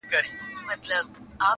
لا هم له پاڼو زرغونه پاته ده،